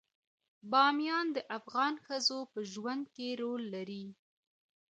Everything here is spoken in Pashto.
بامیان د افغان ښځو په ژوند کې رول لري.